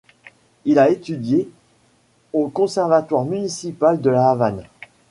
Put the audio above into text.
Il a étudié au conservatoire municipal de La Havane.